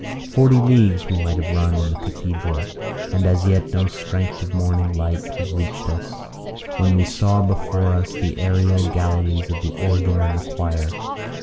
Forty leagues we might have run in the cathedral, and as yet no strength of morning light had reached us, when we saw before us the aërial galleries of the organ and the choir.